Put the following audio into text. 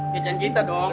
kece kita dong